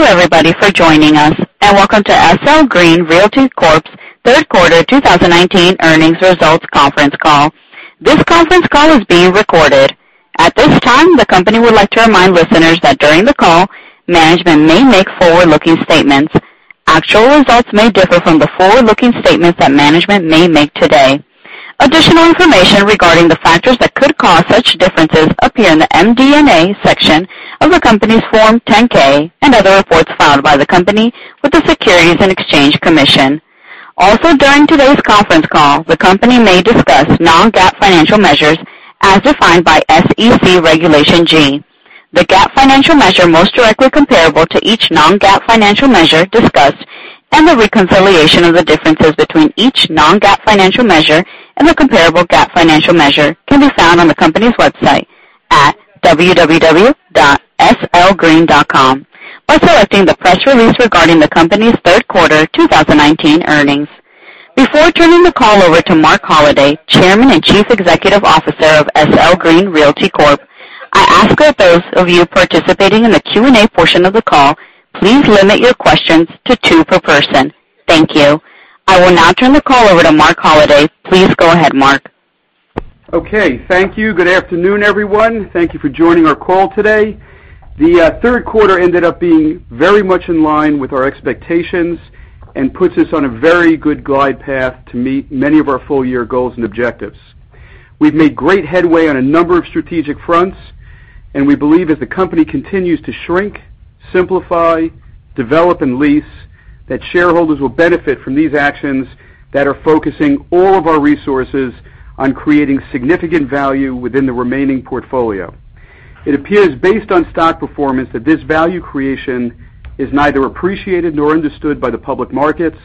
Thank you everybody for joining us, and welcome to SL Green Realty Corp's third quarter 2019 earnings results conference call. This conference call is being recorded. At this time, the company would like to remind listeners that during the call, management may make forward-looking statements. Actual results may differ from the forward-looking statements that management may make today. Additional information regarding the factors that could cause such differences appear in the MD&A section of the company's Form 10-K and other reports filed by the company with the Securities and Exchange Commission. During today's conference call, the company may discuss non-GAAP financial measures as defined by SEC Regulation G. The GAAP financial measure most directly comparable to each non-GAAP financial measure discussed and the reconciliation of the differences between each non-GAAP financial measure and the comparable GAAP financial measure can be found on the company's website at www.slgreen.com by selecting the press release regarding the company's third quarter 2019 earnings. Before turning the call over to Marc Holliday, Chairman and Chief Executive Officer of SL Green Realty Corp., I ask that those of you participating in the Q&A portion of the call, please limit your questions to two per person. Thank you. I will now turn the call over to Marc Holliday. Please go ahead, Marc. Okay. Thank you. Good afternoon, everyone. Thank you for joining our call today. The third quarter ended up being very much in line with our expectations and puts us on a very good glide path to meet many of our full-year goals and objectives. We've made great headway on a number of strategic fronts, and we believe as the company continues to shrink, simplify, develop, and lease, that shareholders will benefit from these actions that are focusing all of our resources on creating significant value within the remaining portfolio. It appears, based on stock performance, that this value creation is neither appreciated nor understood by the public markets.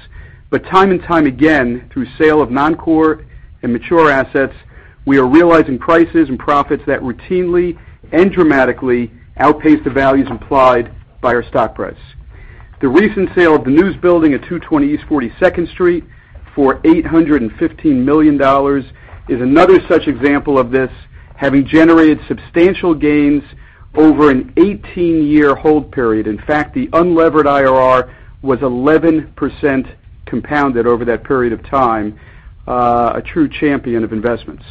Time and time again, through sale of non-core and mature assets, we are realizing prices and profits that routinely and dramatically outpace the values implied by our stock price. The recent sale of the News Building at 220 East 42nd Street for $815 million is another such example of this, having generated substantial gains over an 18-year hold period. In fact, the unlevered IRR was 11% compounded over that period of time, a true champion of investments.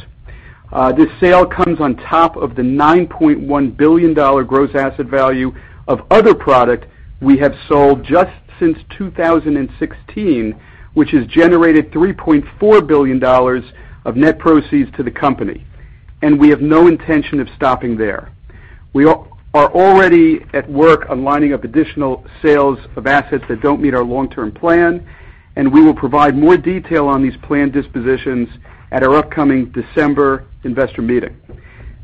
This sale comes on top of the $9.1 billion gross asset value of other product we have sold just since 2016, which has generated $3.4 billion of net proceeds to the company. We have no intention of stopping there. We are already at work on lining up additional sales of assets that don't meet our long-term plan. We will provide more detail on these planned dispositions at our upcoming December investor meeting.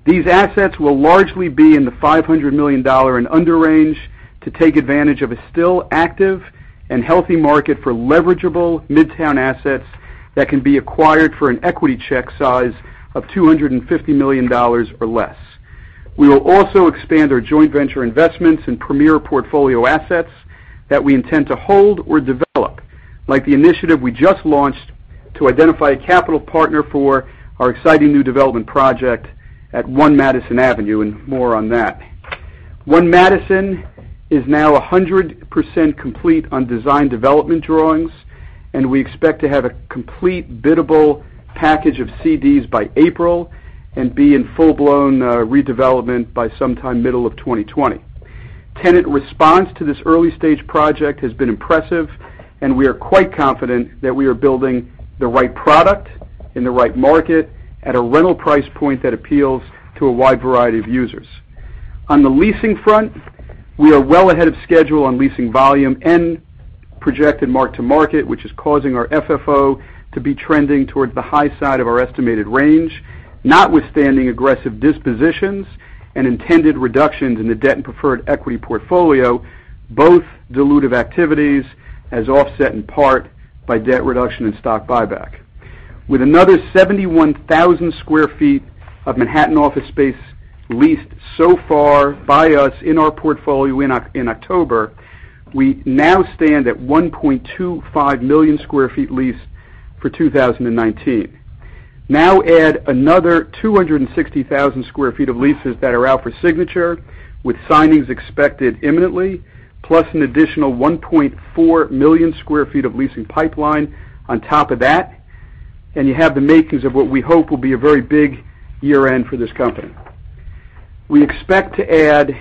These assets will largely be in the $500 million and under range to take advantage of a still active and healthy market for leverageable midtown assets that can be acquired for an equity check size of $250 million or less. We will also expand our joint venture investments in premier portfolio assets that we intend to hold or develop, like the initiative we just launched to identify a capital partner for our exciting new development project at 1 Madison Avenue, and more on that. 1 Madison is now 100% complete on design development drawings, and we expect to have a complete biddable package of CDs by April and be in full-blown redevelopment by sometime middle of 2020. Tenant response to this early-stage project has been impressive, and we are quite confident that we are building the right product in the right market at a rental price point that appeals to a wide variety of users. On the leasing front, we are well ahead of schedule on leasing volume and projected mark-to-market, which is causing our FFO to be trending towards the high side of our estimated range, notwithstanding aggressive dispositions and intended reductions in the debt and preferred equity portfolio, both dilutive activities, as offset in part by debt reduction and stock buyback. With another 71,000 sq ft of Manhattan office space leased so far by us in our portfolio in October, we now stand at 1.25 million sq ft leased for 2019. Add another 260,000 square feet of leases that are out for signature, with signings expected imminently, plus an additional 1.4 million square feet of leasing pipeline on top of that, you have the makings of what we hope will be a very big year-end for this company. We expect to add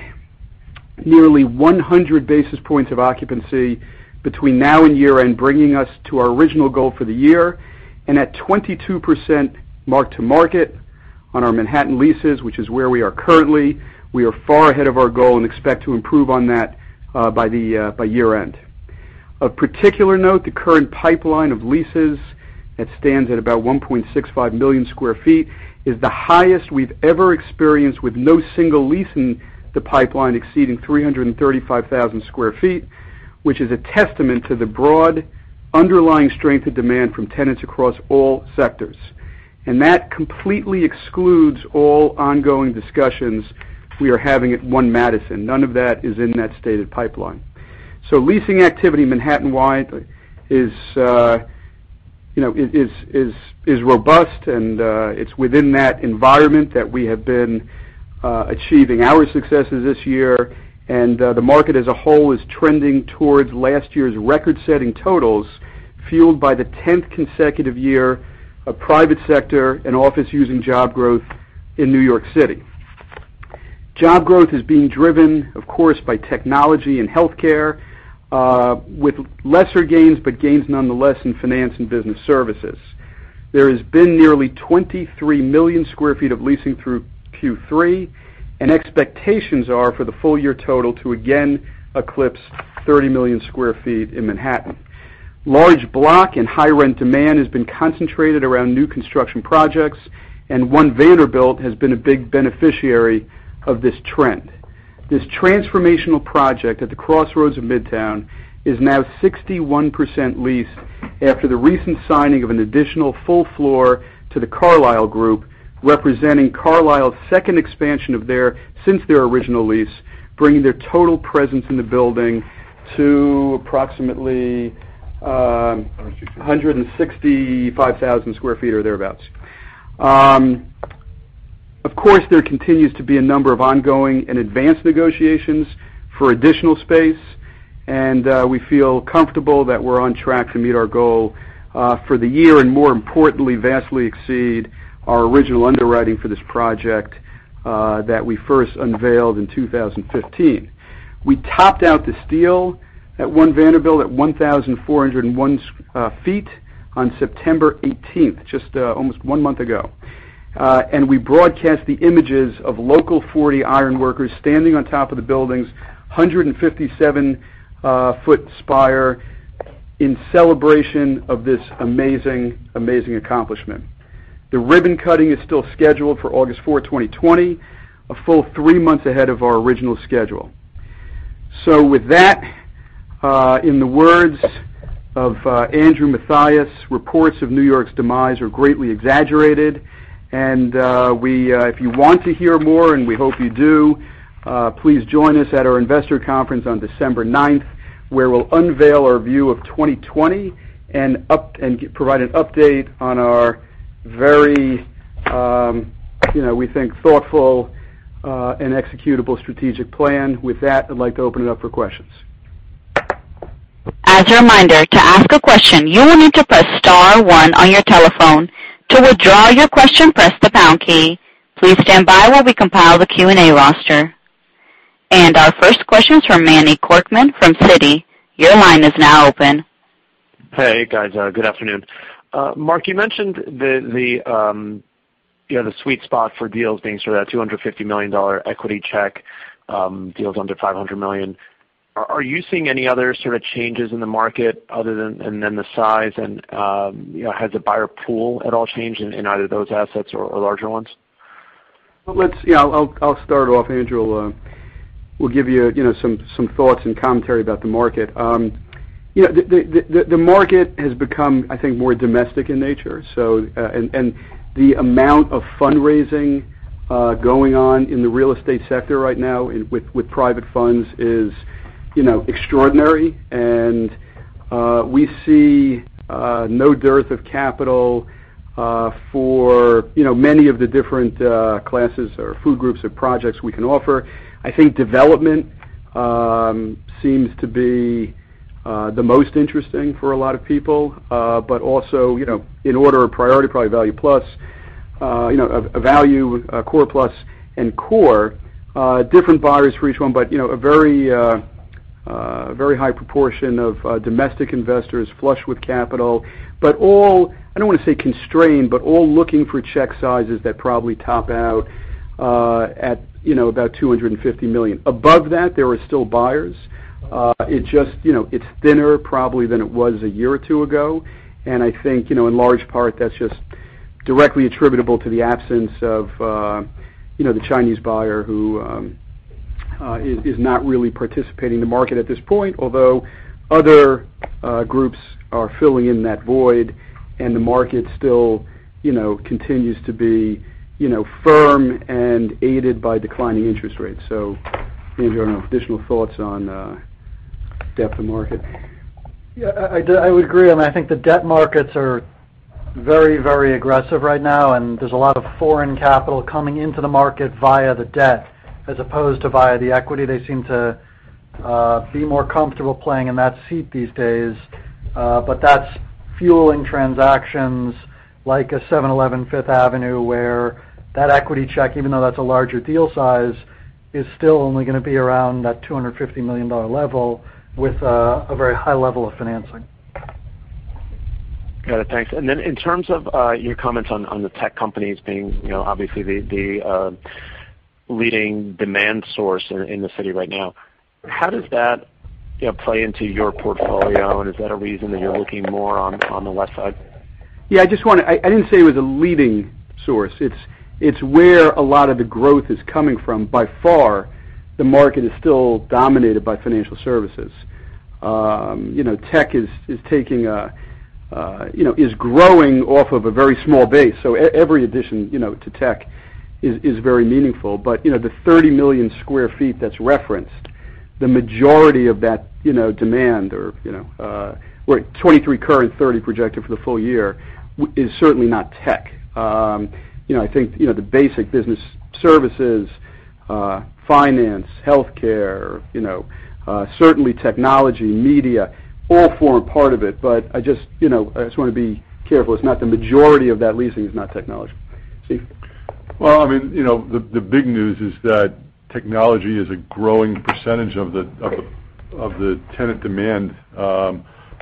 nearly 100 basis points of occupancy between now and year-end, bringing us to our original goal for the year. At 22% mark-to-market on our Manhattan leases, which is where we are currently, we are far ahead of our goal and expect to improve on that by year-end. Of particular note, the current pipeline of leases that stands at about 1.65 million square feet is the highest we've ever experienced, with no single lease in the pipeline exceeding 335,000 square feet, which is a testament to the broad underlying strength of demand from tenants across all sectors. That completely excludes all ongoing discussions we are having at 1 Madison. None of that is in that stated pipeline. Leasing activity Manhattan-wide is robust, and it's within that environment that we have been achieving our successes this year. The market as a whole is trending towards last year's record-setting totals, fueled by the 10th consecutive year of private sector and office-using job growth in New York City. Job growth is being driven, of course, by technology and healthcare, with lesser gains, but gains nonetheless in finance and business services. There has been nearly 23 million square feet of leasing through Q3, and expectations are for the full-year total to again eclipse 30 million square feet in Manhattan. Large block and high-rent demand has been concentrated around new construction projects, and One Vanderbilt has been a big beneficiary of this trend. This transformational project at the crossroads of Midtown is now 61% leased after the recent signing of an additional full floor to The Carlyle Group, representing Carlyle's second expansion since their original lease, bringing their total presence in the building to approximately. 165 165,000 sq ft or thereabouts. Of course, there continues to be a number of ongoing and advanced negotiations for additional space, and we feel comfortable that we're on track to meet our goal for the year and, more importantly, vastly exceed our original underwriting for this project that we first unveiled in 2015. We topped out the steel at One Vanderbilt at 1,401 ft on September 18th, just almost one month ago. We broadcast the images of Local 40 Iron Workers standing on top of the building's 157-ft spire in celebration of this amazing accomplishment. The ribbon cutting is still scheduled for August 4th, 2020, a full three months ahead of our original schedule. With that, in the words of Andrew Mathias, reports of New York's demise are greatly exaggerated. If you want to hear more, and we hope you do, please join us at our investor conference on December 9th, where we'll unveil our view of 2020 and provide an update on our very, we think, thoughtful and executable strategic plan. With that, I'd like to open it up for questions. As a reminder, to ask a question, you will need to press star one on your telephone. To withdraw your question, press the pound key. Please stand by while we compile the Q&A roster. Our first question's from Manny Korchman from Citi. Your line is now open. Hey, guys. Good afternoon. Marc, you mentioned the sweet spot for deals being sort of that $250 million equity check, deals under $500 million. Are you seeing any other sort of changes in the market other than the size, and has the buyer pool at all changed in either those assets or larger ones? I'll start off, Andrew, we'll give you some thoughts and commentary about the market. The market has become, I think, more domestic in nature. The amount of fundraising going on in the real estate sector right now with private funds is extraordinary. We see no dearth of capital for many of the different classes or food groups of projects we can offer. I think development seems to be the most interesting for a lot of people. Also, in order of priority, probably value plus, value, core plus, and core. Different buyers for each one, but a very high proportion of domestic investors flush with capital. All, I don't want to say constrained, but all looking for check sizes that probably top out at about $250 million. Above that, there are still buyers. It's thinner probably than it was a year or two ago, and I think, in large part, that's just directly attributable to the absence of the Chinese buyer who is not really participating in the market at this point. Although other groups are filling in that void, and the market still continues to be firm and aided by declining interest rates. Maybe you have additional thoughts on depth of market. Yeah, I would agree, and I think the debt markets are very aggressive right now, and there's a lot of foreign capital coming into the market via the debt as opposed to via the equity. They seem to be more comfortable playing in that seat these days. That's fueling transactions like a 711 Fifth Avenue, where that equity check, even though that's a larger deal size, is still only going to be around that $250 million level with a very high level of financing. Got it. Thanks. In terms of your comments on the tech companies being obviously the leading demand source in the city right now, how does that play into your portfolio, and is that a reason that you're looking more on the West Side? Yeah, I didn't say it was a leading source. It's where a lot of the growth is coming from. By far, the market is still dominated by financial services. Tech is growing off of a very small base, so every addition to tech is very meaningful. The 30 million sq ft that's referenced. The majority of that demand, or 23 current, 30 projected for the full year, is certainly not tech. I think, the basic business services, finance, healthcare, certainly technology, media, all form a part of it, but I just want to be careful. It's not the majority of that leasing is not technology. Steve? Well, the big news is that technology is a growing percentage of the tenant demand.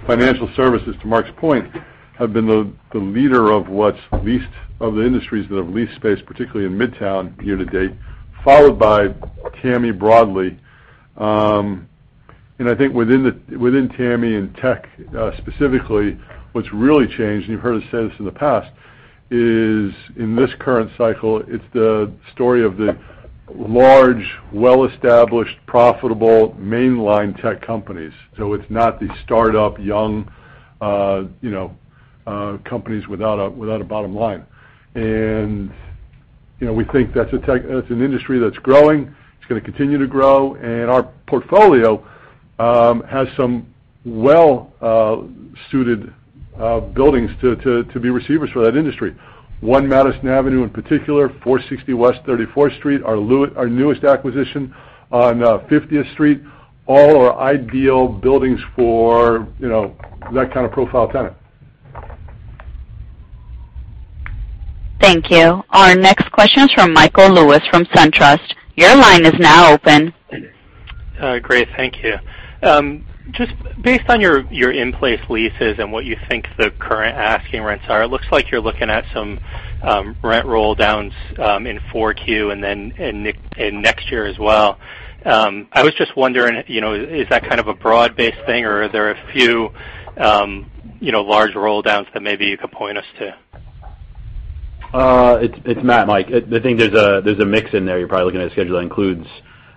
Financial services, to Marc's point, have been the leader of the industries that have leased space, particularly in Midtown year-to-date, followed by TAMI broadly. I think within TAMI and tech specifically, what's really changed, and you've heard us say this in the past, is in this current cycle, it's the story of the large, well-established, profitable, mainline tech companies. It's not the startup young companies without a bottom line. We think that's an industry that's growing. It's going to continue to grow, and our portfolio has some well-suited buildings to be receivers for that industry. 1 Madison Avenue, in particular, 460 West 34th Street, our newest acquisition on 50th Street, all are ideal buildings for that kind of profile tenant. Thank you. Our next question is from Michael Lewis from SunTrust. Your line is now open. Great. Thank you. Just based on your in-place leases and what you think the current asking rents are, it looks like you're looking at some rent rolldowns in 4Q and then in next year as well. I was just wondering, is that kind of a broad-based thing, or are there a few large rolldowns that maybe you could point us to? It's Matt, Mike. I think there's a mix in there. You're probably looking at a schedule that includes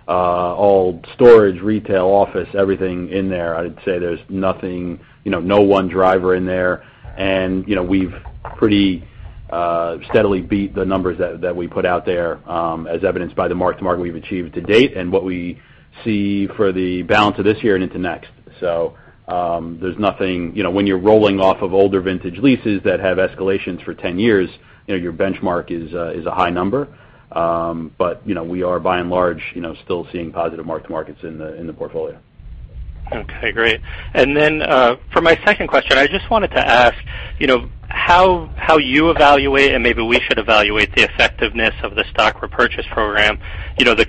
all storage, retail, office, everything in there. I'd say there's no one driver in there. We've pretty steadily beat the numbers that we put out there, as evidenced by the mark-to-market we've achieved to date and what we see for the balance of this year and into next. There's nothing, when you're rolling off of older vintage leases that have escalations for 10 years, your benchmark is a high number. We are by and large, still seeing positive mark-to-markets in the portfolio. Okay, great. Then, for my second question, I just wanted to ask, how you evaluate and maybe we should evaluate the effectiveness of the stock repurchase program. The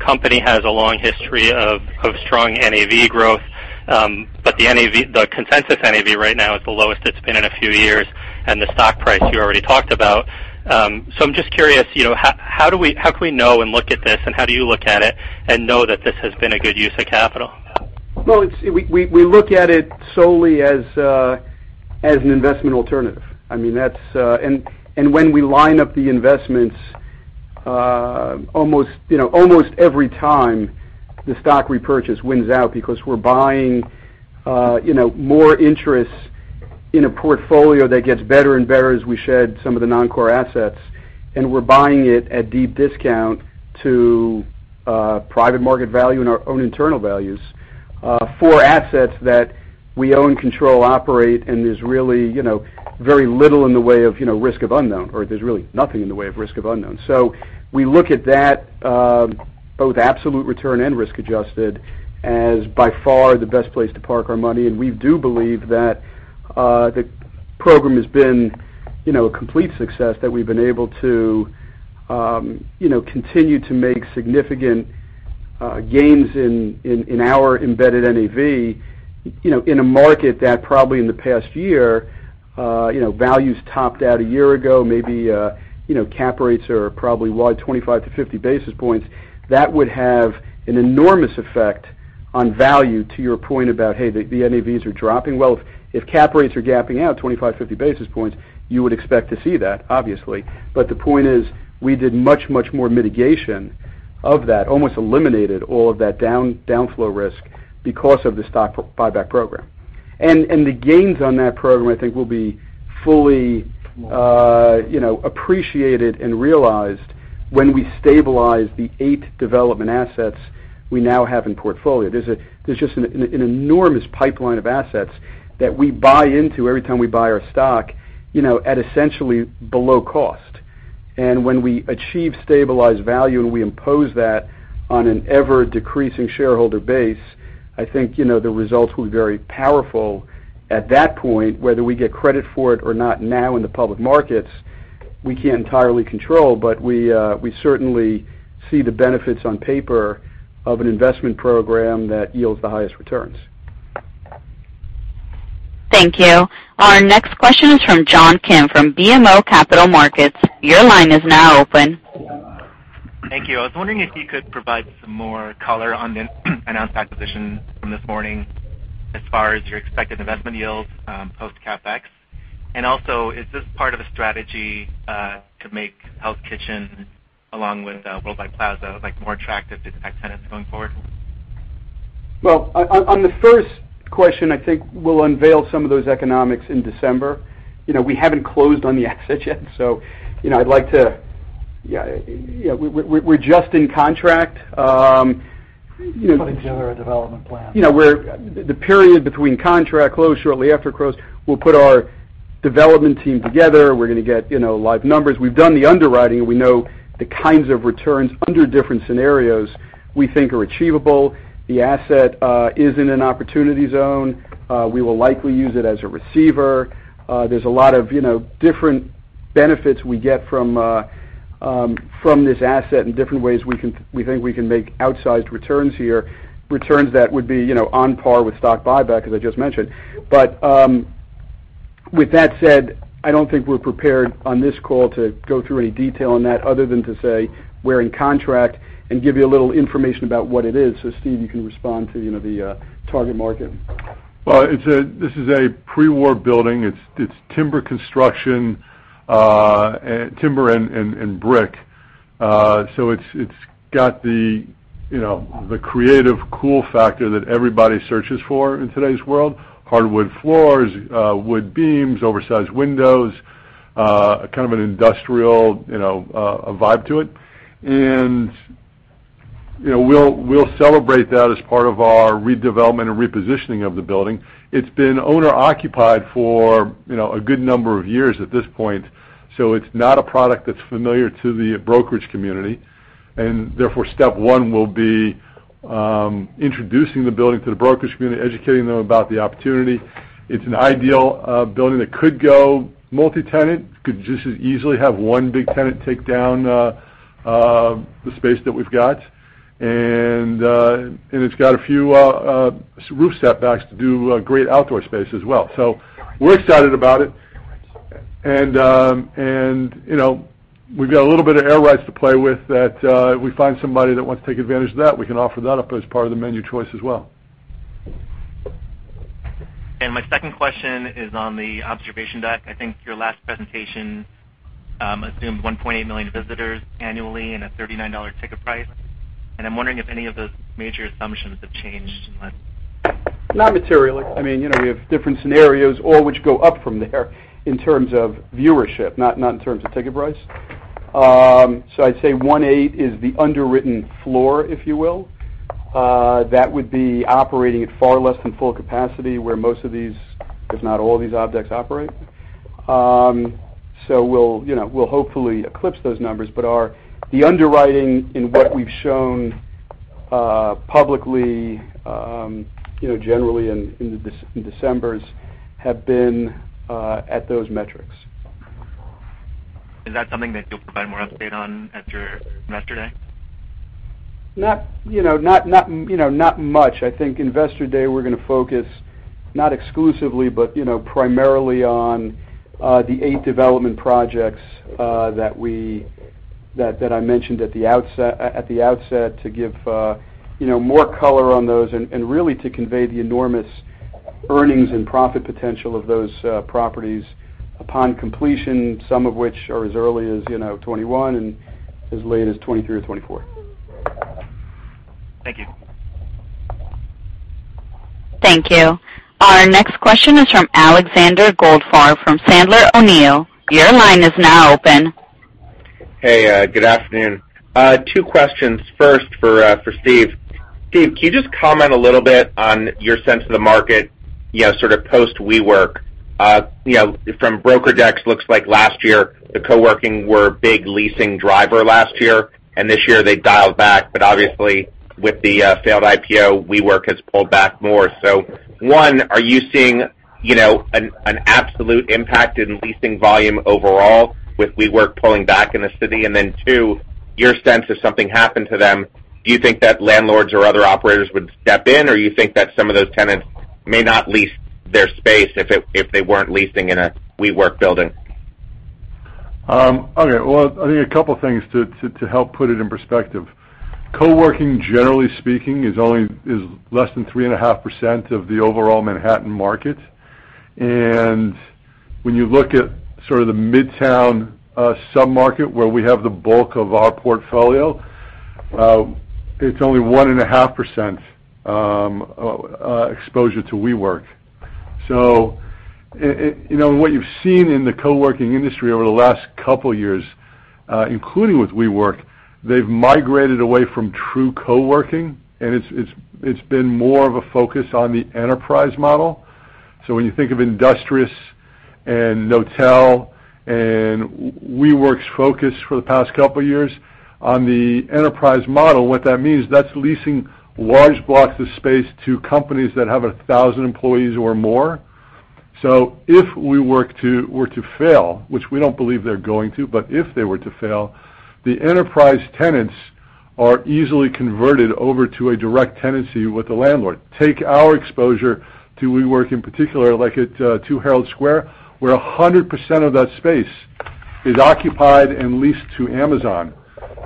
consensus NAV right now is the lowest it's been in a few years, and the stock price you already talked about. I'm just curious, how can we know and look at this, and how do you look at it and know that this has been a good use of capital? Well, we look at it solely as an investment alternative. When we line up the investments, almost every time the stock repurchase wins out because we're buying more interest in a portfolio that gets better and better as we shed some of the non-core assets. We're buying it at deep discount to private market value and our own internal values, for assets that we own, control, operate, and there's really very little in the way of risk of unknown, or there's really nothing in the way of risk of unknown. We look at that, both absolute return and risk-adjusted, as by far the best place to park our money. We do believe that the program has been a complete success, that we've been able to continue to make significant gains in our embedded NAV, in a market that probably in the past year, values topped out a year ago, maybe cap rates are probably wide 25 to 50 basis points. That would have an enormous effect on value to your point about, hey, the NAVs are dropping. Well, if cap rates are gapping out 25, 50 basis points, you would expect to see that, obviously. The point is, we did much, much more mitigation of that, almost eliminated all of that downflow risk because of the stock buyback program. The gains on that program, I think will be fully appreciated and realized when we stabilize the eight development assets we now have in portfolio. There's just an enormous pipeline of assets that we buy into every time we buy our stock, at essentially below cost. When we achieve stabilized value, and we impose that on an ever-decreasing shareholder base, I think the results will be very powerful at that point, whether we get credit for it or not now in the public markets, we can't entirely control, but we certainly see the benefits on paper of an investment program that yields the highest returns. Thank you. Our next question is from John Kim from BMO Capital Markets. Your line is now open. Thank you. I was wondering if you could provide some more color on the announced acquisition from this morning as far as your expected investment yields post CapEx. Also, is this part of a strategy to make Hell's Kitchen along with Worldwide Plaza, more attractive to tech tenants going forward? On the first question, I think we'll unveil some of those economics in December. We haven't closed on the asset yet, so I'd like to. Yeah. We're just in contract. Putting together a development plan. Yeah. The period between contract close, shortly after close, we'll put our development team together. We're going to get live numbers. We've done the underwriting, and we know the kinds of returns under different scenarios we think are achievable. The asset is in an Opportunity Zone. We will likely use it as a receiver. There's a lot of different benefits we get from this asset and different ways we think we can make outsized returns here, returns that would be on par with stock buyback, as I just mentioned. With that said, I don't think we're prepared on this call to go through any detail on that other than to say we're in contract and give you a little information about what it is. Steve, you can respond to the target market. Well, this is a pre-war building. It's timber construction, timber and brick. It's got the creative cool factor that everybody searches for in today's world. Hardwood floors, wood beams, oversized windows, kind of an industrial vibe to it. We'll celebrate that as part of our redevelopment and repositioning of the building. It's been owner-occupied for a good number of years at this point, so it's not a product that's familiar to the brokerage community, and therefore, step one will be introducing the building to the brokerage community, educating them about the opportunity. It's an ideal building that could go multi-tenant, could just as easily have one big tenant take down the space that we've got. It's got a few roof setbacks to do a great outdoor space as well. We're excited about it. We've got a little bit of air rights to play with that, if we find somebody that wants to take advantage of that, we can offer that up as part of the menu choice as well. My second question is on the observation deck. I think your last presentation, assumed 1.8 million visitors annually and a $39 ticket price. I'm wondering if any of those major assumptions have changed in the last? Not materially. We have different scenarios, all which go up from there in terms of viewership, not in terms of ticket price. I'd say one eight is the underwritten floor, if you will. That would be operating at far less than full capacity, where most of these, if not all of these objects operate. We'll hopefully eclipse those numbers. The underwriting in what we've shown, publicly, generally in Decembers, have been, at those metrics. Is that something that you'll provide more update on at your Investor Day? Not much. I think Investor Day we're going to focus, not exclusively, but primarily on the 8 development projects that I mentioned at the outset to give more color on those and really to convey the enormous earnings and profit potential of those properties upon completion, some of which are as early as 2021 and as late as 2023 or 2024. Thank you. Thank you. Our next question is from Alexander Goldfarb from Sandler O'Neill. Your line is now open. Hey, good afternoon. Two questions. First, for Steve. Steve, can you just comment a little bit on your sense of the market post WeWork? From broker decks, looks like last year the co-working were a big leasing driver last year. This year they've dialed back. Obviously, with the failed IPO, WeWork has pulled back more. One, are you seeing an absolute impact in leasing volume overall with WeWork pulling back in the city? Two, your sense if something happened to them, do you think that landlords or other operators would step in, or you think that some of those tenants may not lease their space if they weren't leasing in a WeWork building? Okay. Well, I think a couple things to help put it in perspective. Coworking, generally speaking, is less than 3.5% of the overall Manhattan market. When you look at sort of the Midtown submarket, where we have the bulk of our portfolio, it's only 1.5% exposure to WeWork. What you've seen in the coworking industry over the last couple years, including with WeWork, they've migrated away from true coworking, and it's been more of a focus on the enterprise model. When you think of Industrious and Knotel and WeWork's focus for the past couple of years on the enterprise model, what that means, that's leasing large blocks of space to companies that have a 1,000 employees or more. If WeWork were to fail, which we don't believe they're going to, but if they were to fail, the enterprise tenants are easily converted over to a direct tenancy with the landlord. Take our exposure to WeWork, in particular, like at Two Herald Square, where 100% of that space is occupied and leased to Amazon.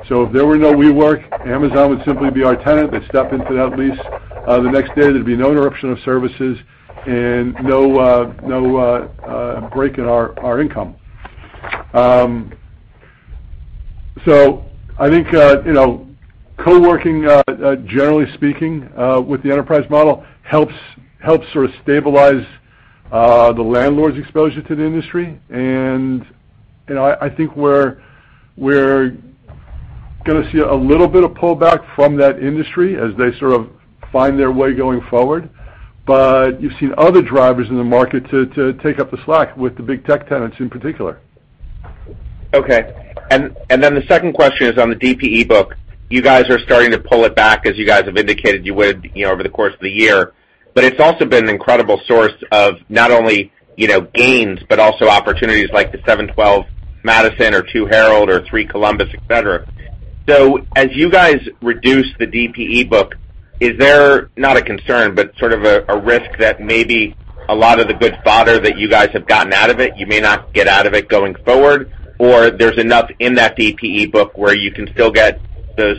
If there were no WeWork, Amazon would simply be our tenant. They'd step into that lease the next day. There'd be no interruption of services and no break in our income. Coworking, generally speaking, with the enterprise model helps sort of stabilize the landlord's exposure to the industry. I think we're going to see a little bit of pull back from that industry as they sort of find their way going forward. You've seen other drivers in the market to take up the slack with the big tech tenants in particular. Okay. The second question is on the DPE book. You guys are starting to pull it back as you guys have indicated you would over the course of the year. It's also been an incredible source of not only gains, but also opportunities like the 712 Madison or 2 Herald or 3 Columbus, et cetera. As you guys reduce the DPE book, is there, not a concern, but sort of a risk that maybe a lot of the good fodder that you guys have gotten out of it, you may not get out of it going forward? There's enough in that DPE book where you can still get the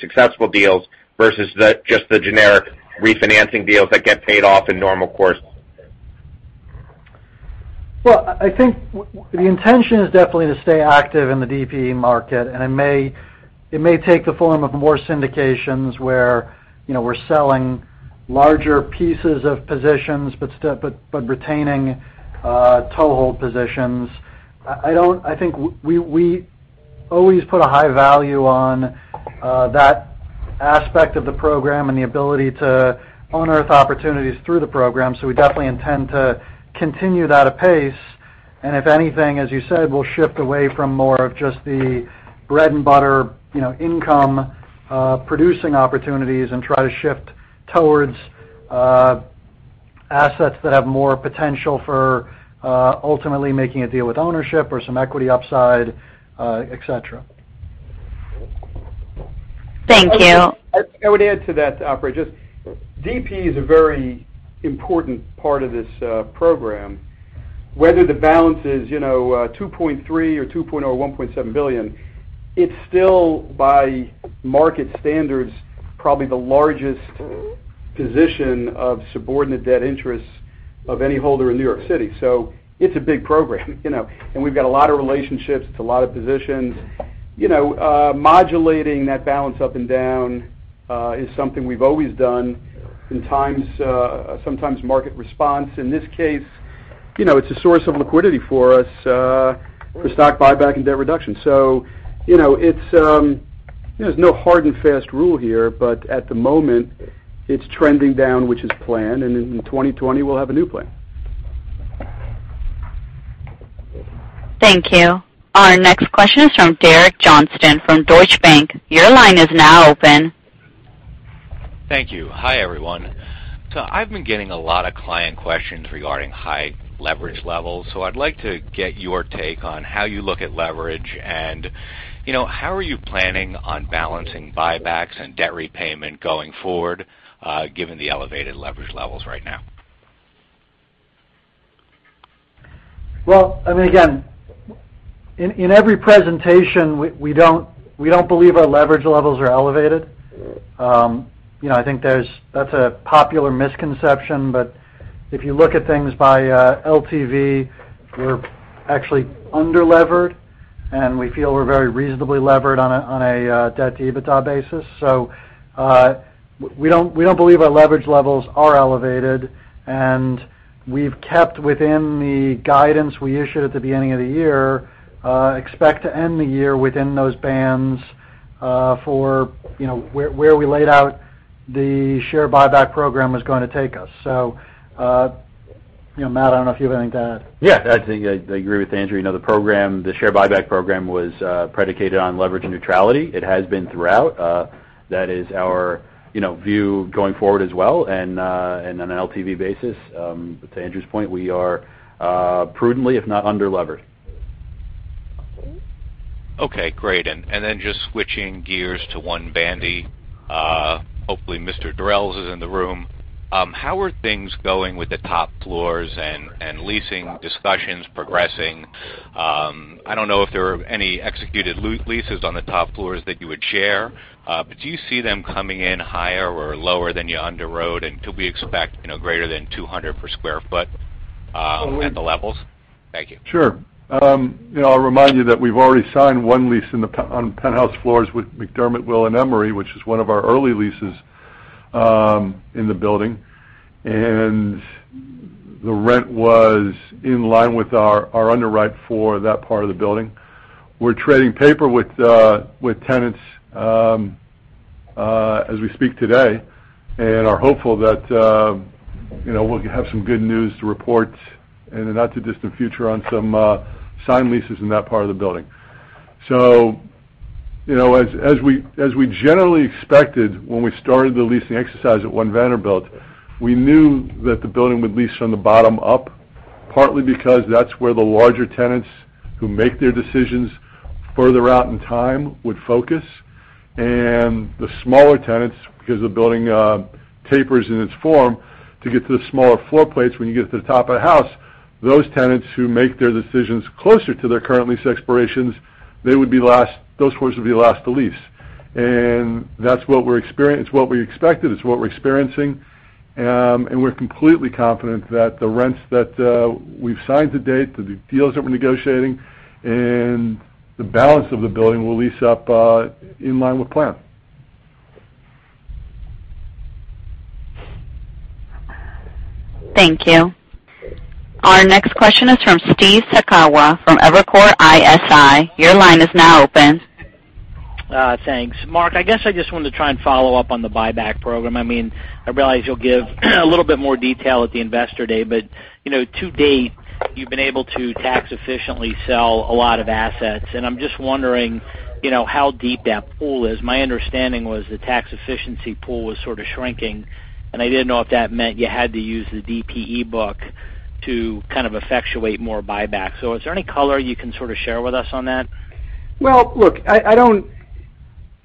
successful deals versus just the generic refinancing deals that get paid off in normal course? Well, I think the intention is definitely to stay active in the DPE market, and it may take the form of more syndications where we're selling larger pieces of positions, but retaining toehold positions. I think we always put a high value on that aspect of the program and the ability to unearth opportunities through the program, so we definitely intend to continue that pace. If anything, as you said, we'll shift away from more of just the bread-and-butter income-producing opportunities and try to shift towards assets that have more potential for ultimately making a deal with ownership or some equity upside, et cetera. Thank you. I would add to that, Operator. DPE is a very important part of this program. Whether the balance is $2.3 billion or $2.0 billion or $1.7 billion, it's still, by market standards, probably the largest position of subordinate debt interests of any holder in New York City. It's a big program. We've got a lot of relationships, it's a lot of positions. Modulating that balance up and down is something we've always done in times, sometimes market response. In this case, it's a source of liquidity for us for stock buyback and debt reduction. There's no hard and fast rule here, but at the moment, it's trending down, which is planned, and in 2020, we'll have a new plan. Thank you. Our next question is from Derek Johnston from Deutsche Bank. Your line is now open. Thank you. Hi, everyone. I've been getting a lot of client questions regarding high leverage levels. I'd like to get your take on how you look at leverage and how are you planning on balancing buybacks and debt repayment going forward, given the elevated leverage levels right now? Well, again, in every presentation, we don't believe our leverage levels are elevated. I think that's a popular misconception, if you look at things by LTV, we're actually under-levered, and we feel we're very reasonably levered on a debt-to-EBITDA basis. We don't believe our leverage levels are elevated, and we've kept within the guidance we issued at the beginning of the year, expect to end the year within those bands for where we laid out the share buyback program was going to take us. Matt, I don't know if you have anything to add. Yeah, I agree with Andrew. The share buyback program was predicated on leverage neutrality. It has been throughout. That is our view going forward as well, and on an LTV basis, to Andrew's point, we are prudently, if not under-levered. Okay, great. Just switching gears to One Vanderbilt. Hopefully, Steven Durels is in the room. How are things going with the top floors and leasing discussions progressing? I don't know if there are any executed leases on the top floors that you would share. Do you see them coming in higher or lower than you underwrote, and could we expect greater than $200 per square foot at the levels? Thank you. Sure. I'll remind you that we've already signed one lease on penthouse floors with McDermott Will & Emery, which is one of our early leases in the building. The rent was in line with our underwrite for that part of the building. We're trading paper with tenants as we speak today and are hopeful that we'll have some good news to report in the not-too-distant future on some signed leases in that part of the building. As we generally expected when we started the leasing exercise at One Vanderbilt, we knew that the building would lease from the bottom up, partly because that's where the larger tenants who make their decisions further out in time would focus, and the smaller tenants, because the building tapers in its form to get to the smaller floor plates, when you get to the top of the house, those tenants who make their decisions closer to their current lease expirations, those floors would be last to lease. That's what we expected, it's what we're experiencing. We're completely confident that the rents that we've signed to date, the deals that we're negotiating, and the balance of the building will lease up in line with plan. Thank you. Our next question is from Steve Sakwa from Evercore ISI. Your line is now open. Thanks. Marc, I guess I just wanted to try and follow up on the buyback program. I realize you'll give a little bit more detail at the investor day, but to date, you've been able to tax efficiently sell a lot of assets, and I'm just wondering, how deep that pool is. My understanding was the tax efficiency pool was sort of shrinking, and I didn't know if that meant you had to use the DPE book to kind of effectuate more buyback. Is there any color you can sort of share with us on that? Well, look,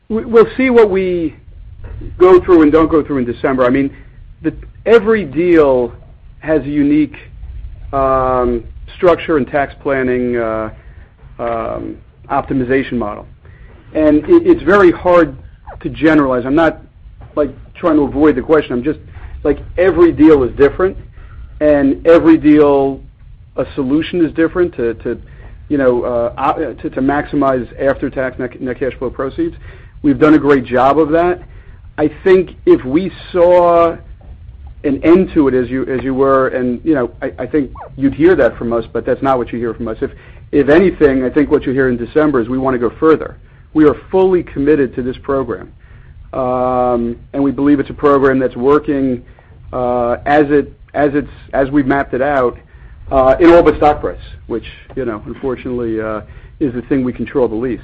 we'll see what we go through and don't go through in December. Every deal has a unique structure and tax planning optimization model. It's very hard to generalize. I'm not trying to avoid the question, every deal is different, and every deal, a solution is different to maximize after-tax net cash flow proceeds. We've done a great job of that. I think if we saw an end to it, as you were, and I think you'd hear that from us, but that's not what you hear from us. If anything, I think what you'll hear in December is we want to go further. We are fully committed to this program. We believe it's a program that's working, as we've mapped it out, in all but stock price, which, unfortunately, is the thing we control the least.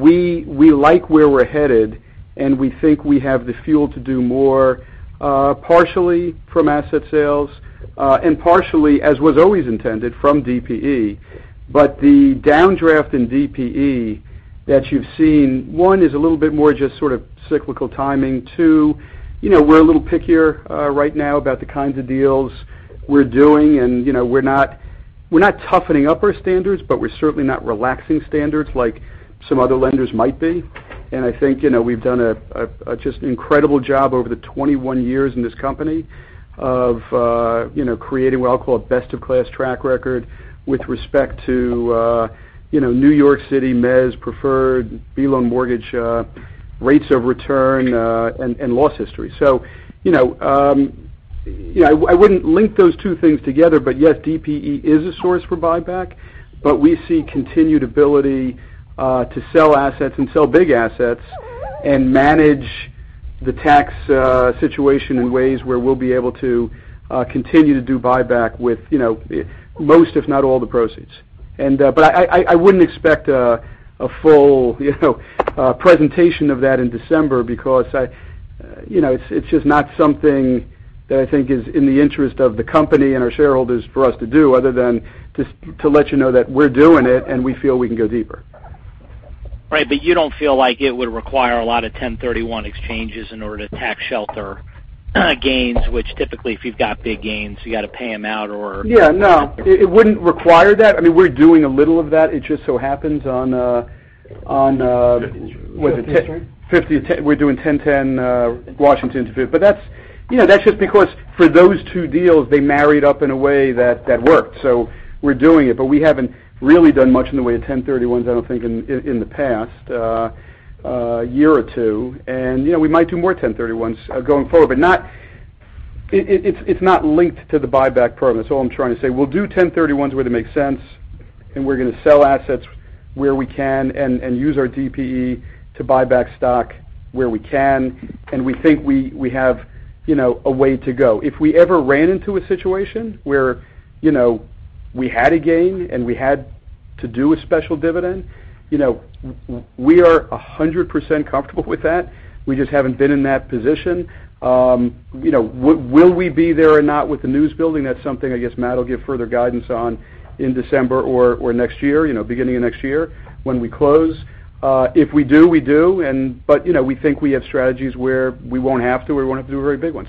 We like where we're headed, and we think we have the fuel to do more, partially from asset sales, and partially, as was always intended, from DPE. The downdraft in DPE that you've seen, one, is a little bit more just sort of cyclical timing. Two, we're a little pickier right now about the kinds of deals we're doing, and we're not toughening up our standards, but we're certainly not relaxing standards like some other lenders might be. I think we've done just an incredible job over the 21 years in this company of creating what I'll call a best-in-class track record with respect to New York City mezz preferred B loan mortgage rates of return, and loss history. I wouldn't link those two things together. Yes, DPE is a source for buyback, but we see continued ability to sell assets and sell big assets and manage the tax situation in ways where we'll be able to continue to do buyback with most, if not all, the proceeds. I wouldn't expect a full presentation of that in December because it's just not something that I think is in the interest of the company and our shareholders for us to do other than just to let you know that we're doing it and we feel we can go deeper. Right, you don't feel like it would require a lot of 1031 exchanges in order to tax shelter gains, which typically, if you've got big gains, you got to pay them out. Yeah, no, it wouldn't require that. We're doing a little of that. It just so happens. 50 and 10. We're doing 1010 Washington to 50. That's just because for those two deals, they married up in a way that worked. We're doing it, but we haven't really done much in the way of 1031s, I don't think, in the past year or two. We might do more 1031s going forward, but it's not linked to the buyback program. That's all I'm trying to say. We'll do 1031s where they make sense, and we're going to sell assets where we can and use our DPE to buy back stock where we can. We think we have a way to go. If we ever ran into a situation where we had a gain and we had to do a special dividend, we are 100% comfortable with that. We just haven't been in that position. Will we be there or not with the news building? That's something, I guess, Matt will give further guidance on in December or next year, beginning of next year, when we close. If we do, we do, but we think we have strategies where we won't have to. We won't have to do a very big one.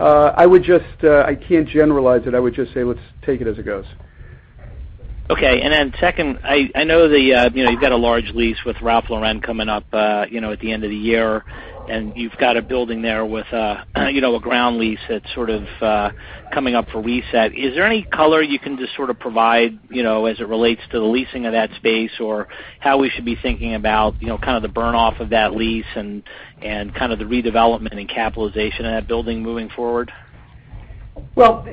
I can't generalize it. I would just say let's take it as it goes. Okay. Then second, I know that you've got a large lease with Ralph Lauren coming up at the end of the year, and you've got a building there with a ground lease that's sort of coming up for reset. Is there any color you can just sort of provide, as it relates to the leasing of that space or how we should be thinking about kind of the burn-off of that lease and kind of the redevelopment and capitalization of that building moving forward? Well,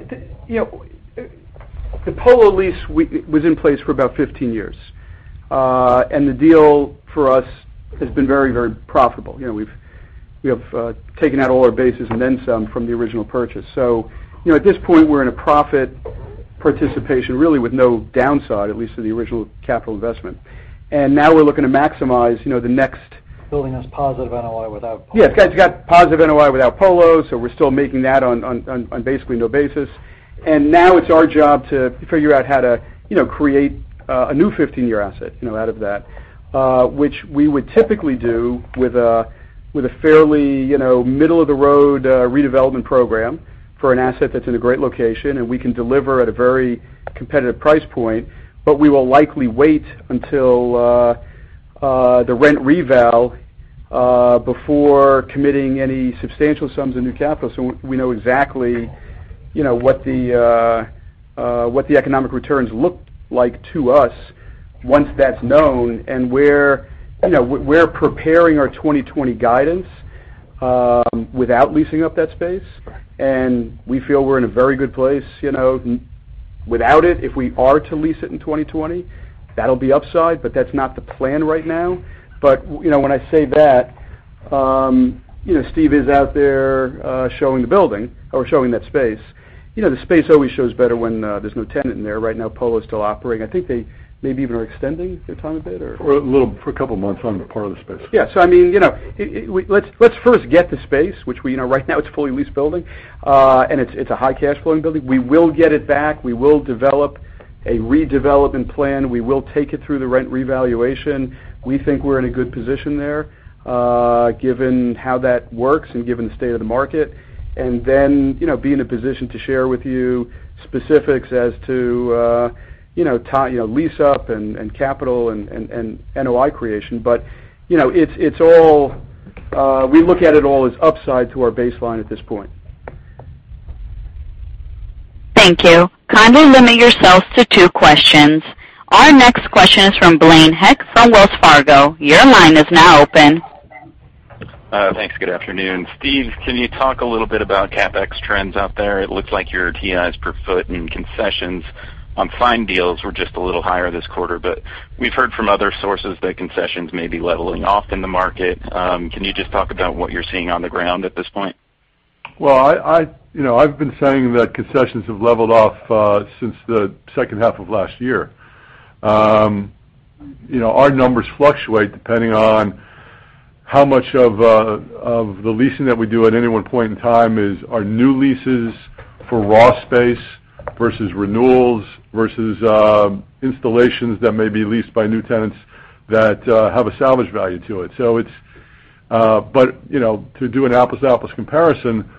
the Polo lease was in place for about 15 years. The deal for us has been very profitable. We have taken out all our bases and then some from the original purchase. At this point, we're in a profit participation, really with no downside, at least to the original capital investment. Now we're looking to maximize the next- Building has positive NOI without Polo. Yes. It's got positive NOI without Polo, so we're still making that on basically no basis. Now it's our job to figure out how to create a new 15-year asset out of that, which we would typically do with a fairly middle-of-the-road redevelopment program for an asset that's in a great location, and we can deliver at a very competitive price point. We will likely wait until The rent reval before committing any substantial sums of new capital. We know exactly what the economic returns look like to us once that's known, and we're preparing our 2020 guidance without leasing up that space. Right. We feel we're in a very good place without it. If we are to lease it in 2020, that'll be upside, but that's not the plan right now. When I say that, Steve is out there showing the building or showing that space. The space always shows better when there's no tenant in there. Right now, Polo is still operating. I think they maybe even are extending their time a bit, or? For a couple of months on part of the space. Yeah. Let's first get the space, which right now it's a fully leased building. It's a high cash flowing building. We will get it back. We will develop a redevelopment plan. We will take it through the rent revaluation. We think we're in a good position there, given how that works and given the state of the market. Then, be in a position to share with you specifics as to lease up and capital and NOI creation. We look at it all as upside to our baseline at this point. Thank you. Kindly limit yourselves to two questions. Our next question is from Blaine Heck from Wells Fargo. Your line is now open. Thanks. Good afternoon. Steve, can you talk a little bit about CapEx trends out there? It looks like your TIs per foot and concessions on signed deals were just a little higher this quarter. We've heard from other sources that concessions may be leveling off in the market. Can you just talk about what you're seeing on the ground at this point? Well, I've been saying that concessions have leveled off since the second half of last year. Our numbers fluctuate depending on how much of the leasing that we do at any one point in time is our new leases for raw space versus renewals, versus installations that may be leased by new tenants that have a salvage value to it. To do an apples-to-apples comparison,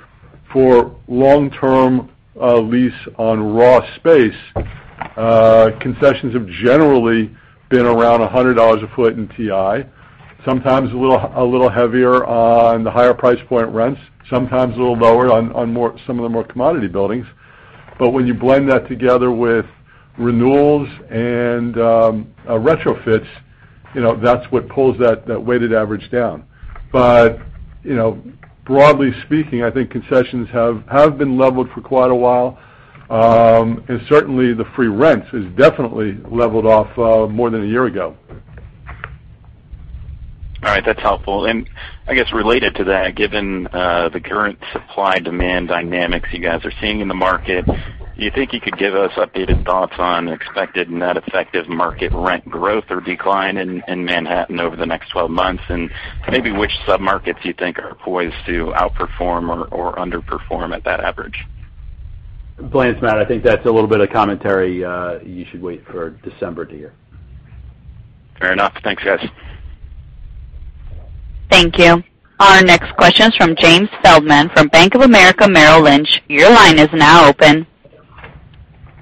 for long-term lease on raw space, concessions have generally been around $100 a foot in TI, sometimes a little heavier on the higher price point rents, sometimes a little lower on some of the more commodity buildings. When you blend that together with renewals and retrofits, that's what pulls that weighted average down. Broadly speaking, I think concessions have been leveled for quite a while. Certainly, the free rents has definitely leveled off more than a year ago. All right. That's helpful. I guess related to that, given the current supply-demand dynamics you guys are seeing in the market, do you think you could give us updated thoughts on expected net effective market rent growth or decline in Manhattan over the next 12 months? Maybe which sub-markets you think are poised to outperform or underperform at that average? Blaine, it's Matt. I think that's a little bit of commentary you should wait for December to hear. Fair enough. Thanks, guys. Thank you. Our next question is from James Feldman from Bank of America Merrill Lynch. Your line is now open.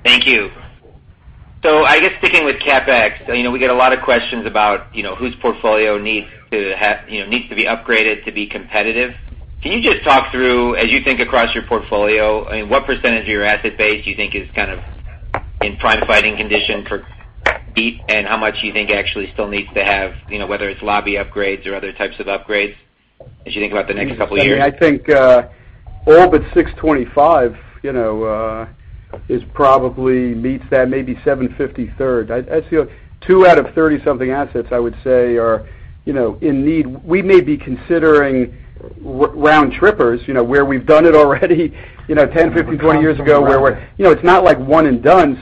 Thank you. I guess sticking with CapEx, we get a lot of questions about whose portfolio needs to be upgraded to be competitive. Can you just talk through, as you think across your portfolio, what % of your asset base you think is in prime fighting condition for beat? How much you think actually still needs to have, whether it's lobby upgrades or other types of upgrades, as you think about the next couple of years? I think all but 625, is probably meets that, maybe 750 Third. I'd say two out of 30 something assets, I would say are in need. We may be considering round trippers, where we've done it already 10, 15, 20 years ago, where it's not like one and done.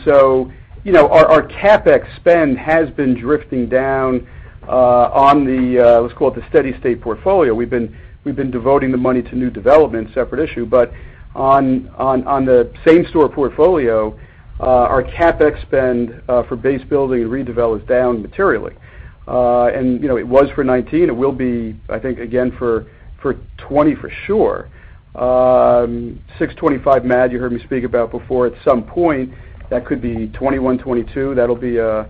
Our CapEx spend has been drifting down on the, let's call it the steady state portfolio. We've been devoting the money to new development, separate issue. On the same store portfolio, our CapEx spend for base building and redevelop is down materially. It was for '19. It will be, I think, again for '20 for sure. 625 Madison, you heard me speak about before, at some point, that could be '21, '22, that'll be on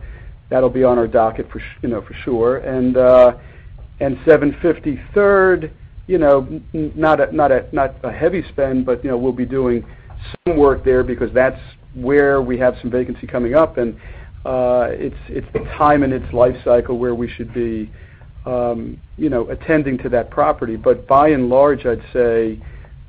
our docket for sure. 750 Third, not a heavy spend, but we’ll be doing some work there because that’s where we have some vacancy coming up, and it’s a time in its life cycle where we should be attending to that property. By and large, I’d say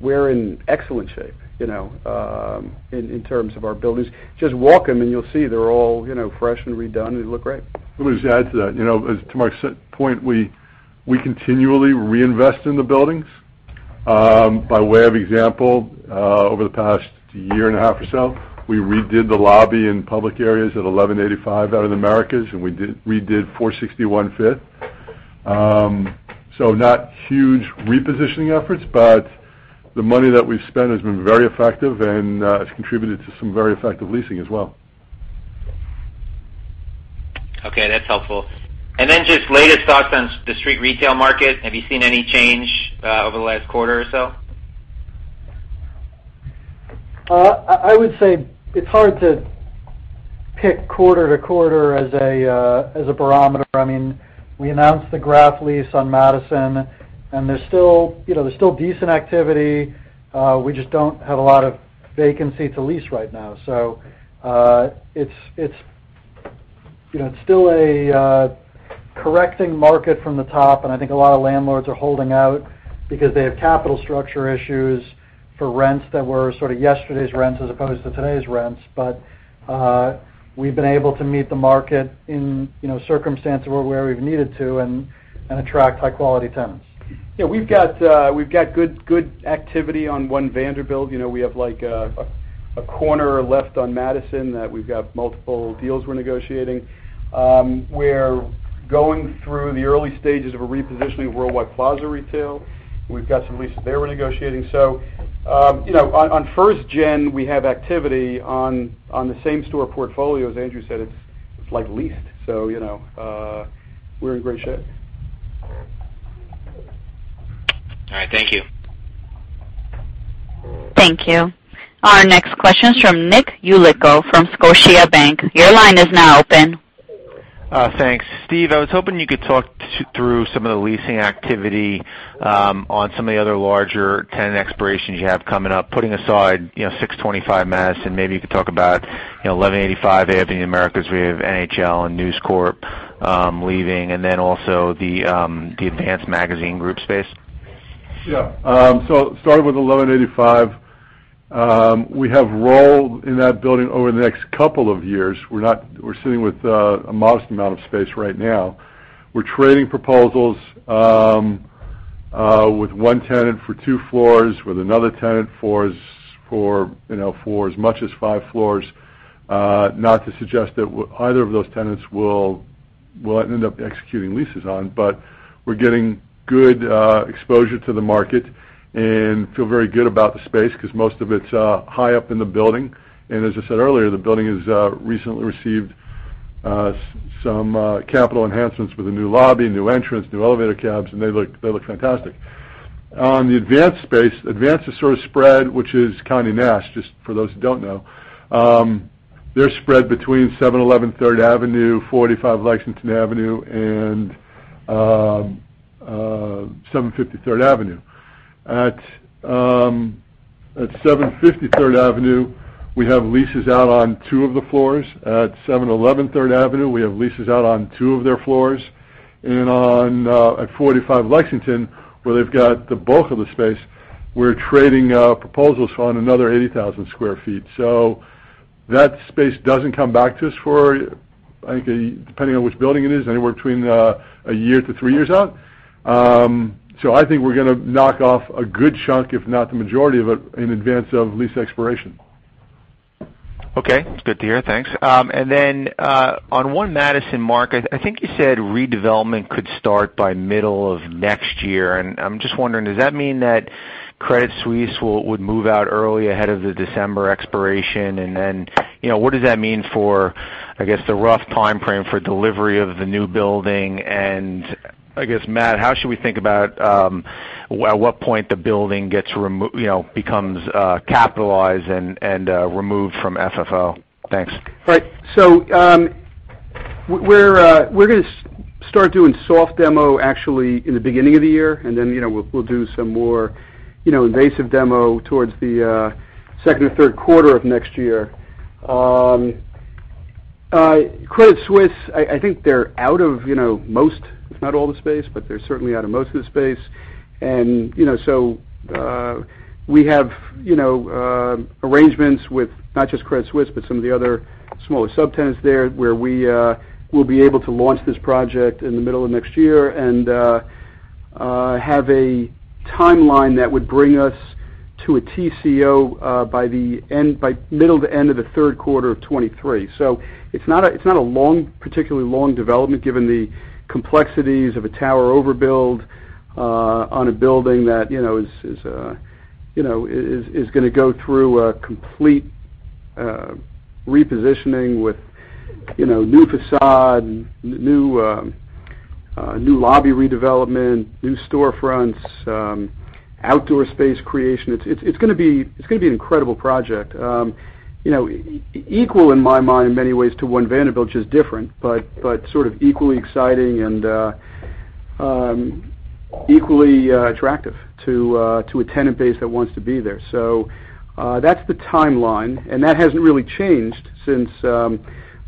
we’re in excellent shape, in terms of our buildings. Just walk them and you’ll see they’re all fresh and redone, and they look great. Let me just add to that. To my point, we continually reinvest in the buildings. By way of example, over the past one and a half years or so, we redid the lobby and public areas at 1185 out in the Americas, and we redid 461 Fifth. So not huge repositioning efforts, but the money that we've spent has been very effective and has contributed to some very effective leasing as well. Okay, that's helpful. Just latest thoughts on the street retail market. Have you seen any change over the last quarter or so? I would say it's hard to pick quarter to quarter as a barometer. We announced the Graff lease on Madison, and there's still decent activity. We just don't have a lot of vacancy to lease right now. It's still a correcting market from the top, and I think a lot of landlords are holding out because they have capital structure issues for rents that were yesterday's rents as opposed to today's rents. We've been able to meet the market in circumstances where we've needed to and attract high-quality tenants. Yeah. We've got good activity on One Vanderbilt. We have a corner left on Madison that we've got multiple deals we're negotiating. We're going through the early stages of a repositioning of Worldwide Plaza Retail. We've got some leases there we're negotiating. On first gen, we have activity on the same store portfolio, as Andrew said, it's leased. We're in great shape. All right. Thank you. Thank you. Our next question is from Nicholas Yulico from Scotiabank. Your line is now open. Thanks. Steve, I was hoping you could talk through some of the leasing activity on some of the other larger tenant expirations you have coming up, putting aside 625 Madison, maybe you could talk about 1185 Avenue of the Americas. We have NHL and News Corp leaving. Also the Advance Magazine Group space. Yeah. Starting with 1185, we have role in that building over the next couple of years. We're sitting with a modest amount of space right now. We're trading proposals with one tenant for two floors, with another tenant for as much as five floors. Not to suggest that either of those tenants will end up executing leases on, but we're getting good exposure to the market and feel very good about the space because most of it's high up in the building. As I said earlier, the building has recently received some capital enhancements with a new lobby, new entrance, new elevator cabs, and they look fantastic. On the Advance space, Advance is sort of spread, which is Condé Nast, just for those who don't know. They're spread between 711 Third Avenue, 485 Lexington Avenue, and 750 Third Avenue. At 750 Third Avenue, we have leases out on two of the floors. At 711 Third Avenue, we have leases out on two of their floors. At 485 Lexington Avenue, where they've got the bulk of the space, we're trading proposals on another 80,000 square feet. That space doesn't come back to us for, I think, depending on which building it is, anywhere between a year to three years out. I think we're going to knock off a good chunk, if not the majority of it, in advance of lease expiration. Okay, good to hear. Thanks. On One Madison, Marc, I think you said redevelopment could start by middle of next year. I'm just wondering, does that mean that Credit Suisse would move out early ahead of the December expiration? What does that mean for, I guess, the rough timeframe for delivery of the new building? I guess, Matt, how should we think about at what point the building becomes capitalized and removed from FFO? Thanks. Right. We're going to start doing soft demo actually in the beginning of the year, and then we'll do some more invasive demo towards the second or third quarter of next year. Credit Suisse, I think they're out of most, if not all the space, but they're certainly out of most of the space. We have arrangements with not just Credit Suisse, but some of the other smaller subtenants there, where we will be able to launch this project in the middle of next year and have a timeline that would bring us to a TCO by middle to end of the third quarter of 2023. It's not a particularly long development, given the complexities of a tower overbuild on a building that is going to go through a complete repositioning with new façade, new lobby redevelopment, new storefronts, outdoor space creation. It's going to be an incredible project. Equal in my mind, in many ways to One Vanderbilt, just different, but sort of equally exciting and equally attractive to a tenant base that wants to be there. That's the timeline, and that hasn't really changed since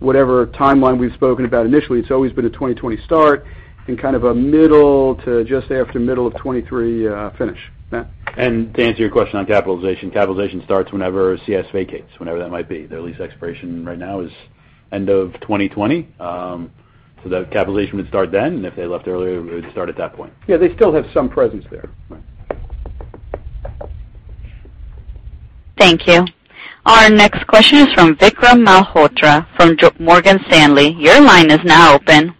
whatever timeline we've spoken about initially. It's always been a 2020 start and kind of a middle to just after middle of 2023 finish. Matt? To answer your question on capitalization starts whenever CS vacates, whenever that might be. Their lease expiration right now is end of 2020. The capitalization would start then, and if they left earlier, it would start at that point. Yeah, they still have some presence there. Right. Thank you. Our next question is from Vikram Malhotra from Morgan Stanley. Your line is now open.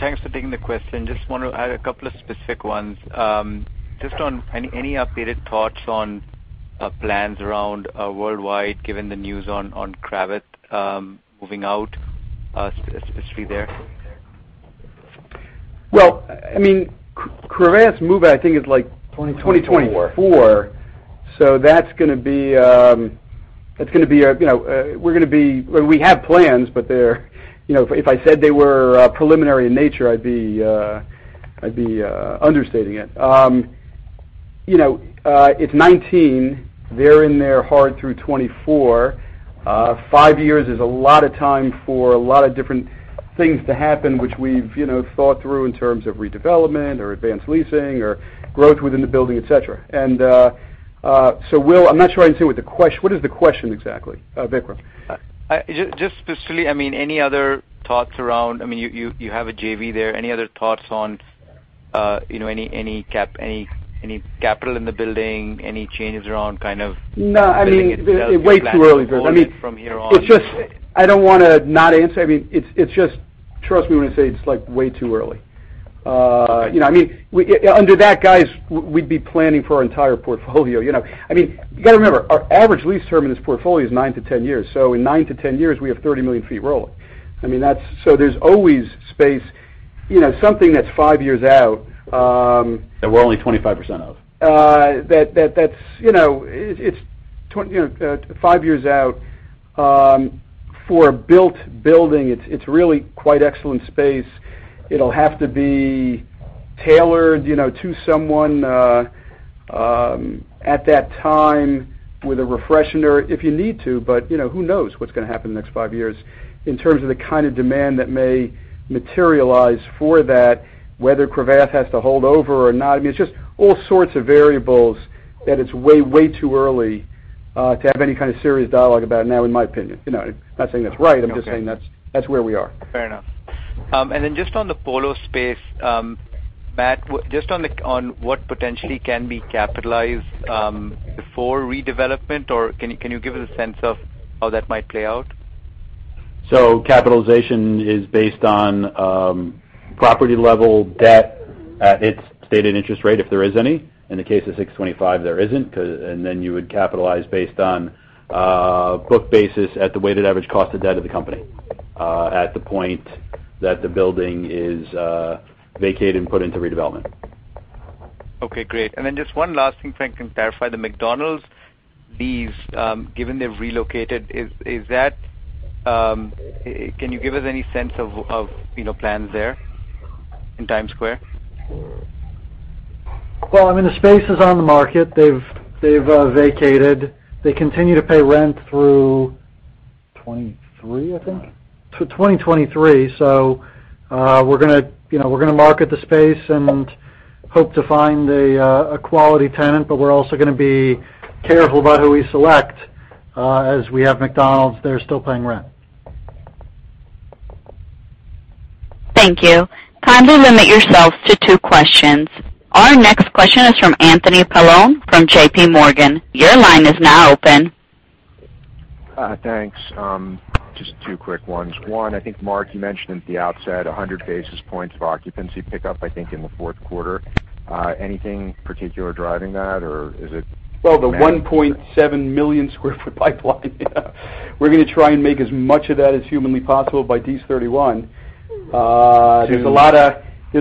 Thanks for taking the question. Just want to add a couple of specific ones. Just on any updated thoughts on plans around worldwide, given the news on Cravath moving out, especially there? Well, Cravath's move I think is like 2024. We have plans, but if I said they were preliminary in nature, I'd be understating it. It's 2019, they're in there hard through 2024. five years is a lot of time for a lot of different things to happen, which we've thought through in terms of redevelopment or advanced leasing or growth within the building, et cetera. Will, I'm not sure I understand, what is the question exactly? Vikram. Just specifically, any other thoughts around, you have a JV there, any other thoughts on any capital in the building? Any changes around? No, way too early for this. building itself from here on? I don't want to not answer. Trust me when I say it's way too early. Okay. Under that guise, we'd be planning for our entire portfolio. You got to remember, our average lease term in this portfolio is 9 to 10 years. In 9 to 10 years, we have 30 million feet rolling. There's always space. Something that's five years out. That we're only 25% of five years out, for a built building, it's really quite excellent space. It'll have to be tailored to someone, at that time with a refreshener if you need to, but who knows what's going to happen in the next five years in terms of the kind of demand that may materialize for that, whether Cravath has to hold over or not. It's just all sorts of variables that it's way too early to have any kind of serious dialogue about now, in my opinion. I'm not saying that's right, I'm just saying that's where we are. Fair enough. Just on the Polo space, Matt, just on what potentially can be capitalized before redevelopment, or can you give us a sense of how that might play out? Capitalization is based on property level debt at its stated interest rate, if there is any. In the case of 625, there isn't. You would capitalize based on book basis at the weighted average cost of debt of the company, at the point that the building is vacated and put into redevelopment. Okay, great. Just one last thing, Frank, and clarify, the McDonald's lease, given they've relocated, can you give us any sense of plans there in Times Square? Well, the space is on the market. They've vacated. They continue to pay rent through- 2023, I think. 2023. We're going to market the space and hope to find a quality tenant, but we're also going to be careful about who we select, as we have McDonald's there still paying rent. Thank you. Kind of limit yourselves to two questions. Our next question is from Anthony Paolone from J.P. Morgan. Your line is now open. Thanks. Just two quick ones. One, I think, Marc, you mentioned at the outset 100 basis points of occupancy pickup, I think in the fourth quarter. Anything particular driving that? Well, the 1.7 million square foot pipeline. We're going to try and make as much of that as humanly possible by D31. There's a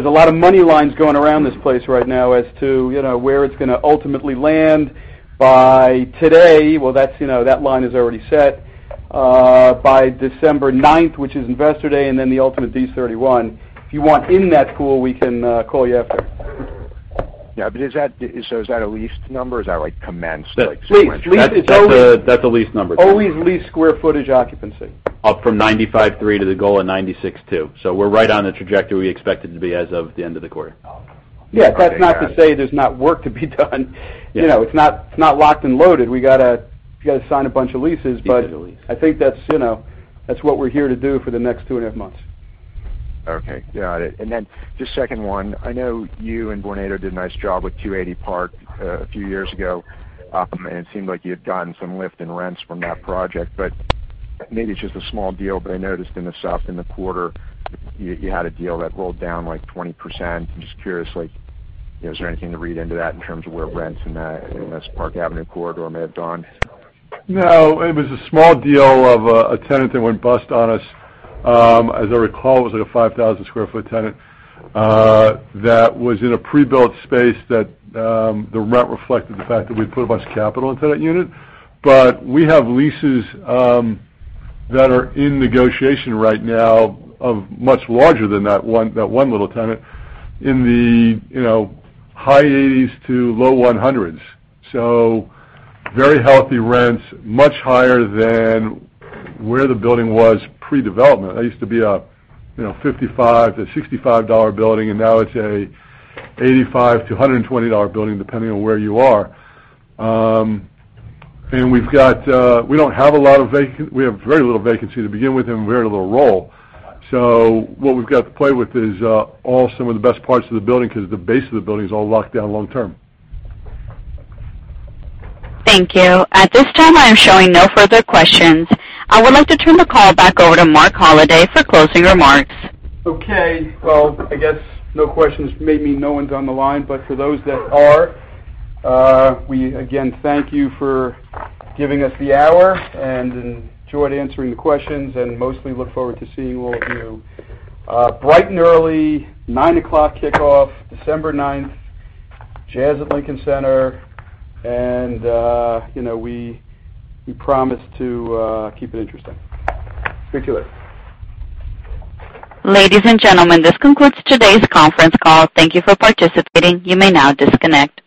lot of money lines going around this place right now as to where it's going to ultimately land by today. Well, that line is already set. By December 9th, which is Investor Day, and then the ultimate D31. If you want in that pool, we can call you after. Yeah. Is that a leased number or is that like commenced, like square footage? That's a leased number. Always leased square footage occupancy. Up from 95.3 to the goal of 96.2. We're right on the trajectory we expected to be as of the end of the quarter. Okay. Yeah. That's not to say there's not work to be done. It's not locked and loaded. We got to sign a bunch of leases. Get the lease. I think that's what we're here to do for the next two and a half months. Okay. Got it. Just second one, I know you and Vornado did a nice job with 280 Park a few years ago, and it seemed like you had gotten some lift in rents from that project, but maybe it's just a small deal, but I noticed in the south, in the quarter, you had a deal that rolled down like 20%. I'm just curious, is there anything to read into that in terms of where rents in that Park Avenue corridor may have gone? It was a small deal of a tenant that went bust on us. As I recall, it was like a 5,000 sq ft tenant, that was in a pre-built space that the rent reflected the fact that we put a bunch of capital into that unit. We have leases that are in negotiation right now of much larger than that one little tenant in the high $80s to low $100s. Very healthy rents, much higher than where the building was pre-development. That used to be a $55-$65 building, and now it's a $85-$120 building, depending on where you are. We have very little vacancy to begin with and very little roll. What we've got to play with is all some of the best parts of the building because the base of the building is all locked down long-term. Thank you. At this time, I am showing no further questions. I would like to turn the call back over to Marc Holliday for closing remarks. Okay. Well, I guess no questions may mean no one's on the line, but for those that are, we again thank you for giving us the hour, and enjoyed answering the questions and mostly look forward to seeing all of you bright and early, 9:00 A.M. kickoff, December 9th, Jazz at Lincoln Center, and we promise to keep it interesting. Speak to you later. Ladies and gentlemen, this concludes today's conference call. Thank you for participating. You may now disconnect.